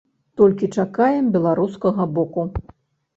Толькі чакаем беларускага боку.